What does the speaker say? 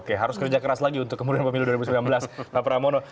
oke harus kerja keras lagi untuk kemudian pemilu dua ribu sembilan belas pak pramono